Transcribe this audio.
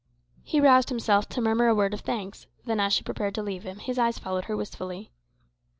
He roused himself to murmur a word of thanks; then, as she prepared to leave him, his eyes followed her wistfully.